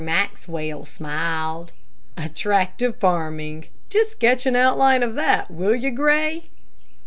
Maxwell smiled. "Attractive farming. Just sketch an outline of that, will you, Gray?"